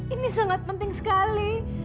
ini sangat penting sekali